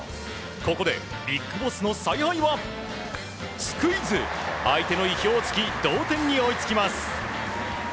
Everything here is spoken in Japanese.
ここでＢＩＧＢＯＳＳの采配はスクイズ、相手の意表を突き同点に追いつきます。